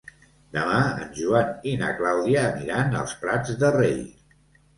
Demà en Joan i na Clàudia aniran als Prats de Rei.